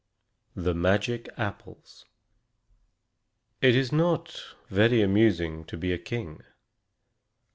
THE MAGIC APPLES It is not very amusing to be a king.